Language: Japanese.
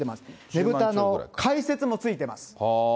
ねぶたの解説もついています。